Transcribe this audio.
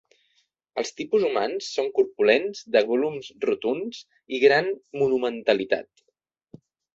Els tipus humans són corpulents, de volums rotunds i gran monumentalitat.